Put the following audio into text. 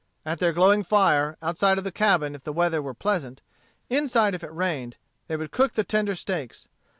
At their glowing fire, outside of the cabin if the weather were pleasant, inside if it rained, they would cook the tender steaks.